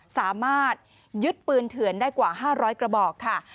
สามารถยึดปืนเถื่อนได้กว่า๕๐๐กระบอกค่ะ